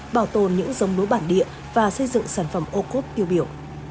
bảo tồn những dống lúa bản địa và xây dựng sản phẩm ô cốt tiêu biểu